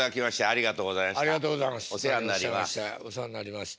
ありがとうございます。